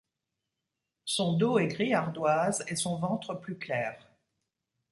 Son dos est gris ardoise et son ventre plus clair.